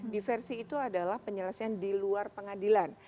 diversi itu adalah penyelesaian di luar pengadilan